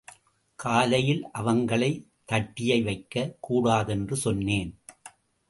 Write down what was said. காலையில் அவங்களை... தட்டியை வைக்கக் கூடாதுன்னு சொன்னேன்.